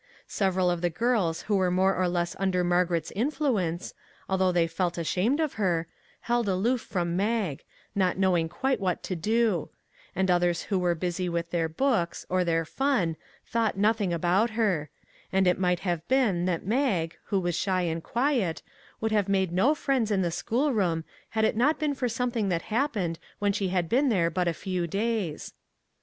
Sev eral of the girls who were more or less under Margaret's influence, although they felt ashamed of her, held aloof from Mag, not knowing quite what to do; and others who were busy with their books, or their fun, thought nothing about her ; and it might have 3 J 9 MAG AND MARGARET been that Mag, who was shy and quiet, would have made no friends in the schoolroom had it not been for something that happened when she had been there but a few days.